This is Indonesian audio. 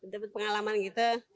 dapat pengalaman gitu